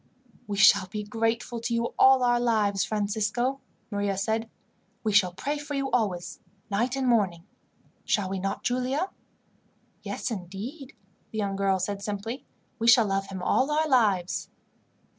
"We shall be grateful to you all our lives, Francisco," Maria said. "We shall pray for you always, night and morning. "Shall we not, Giulia?" "Yes, indeed," the young girl said simply. "We shall love him all our lives."